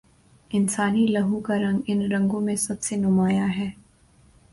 انسانی لہو کا رنگ ان رنگوں میں سب سے نمایاں ہے۔